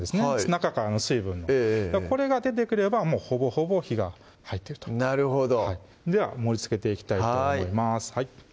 中からの水分のこれが出てくればもうほぼほぼ火が入ってるとなるほどでは盛りつけていきたいと思います